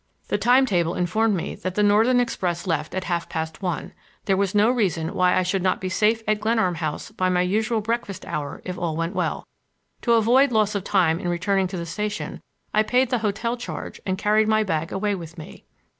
The time table informed me that the Northern express left at half past one. There was no reason why I should not be safe at Glenarm House by my usual breakfast hour if all went well. To avoid loss of time in returning to the station I paid the hotel charge and carried my bag away with me.